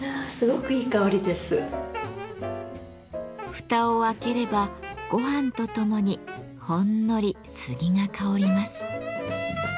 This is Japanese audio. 蓋を開ければごはんとともにほんのり杉が香ります。